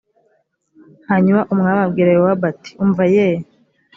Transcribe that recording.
hanyuma umwami abwira yowabu ati umva ye